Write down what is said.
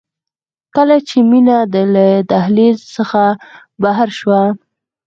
کله چې مينه له دهلېز څخه بهر شوه.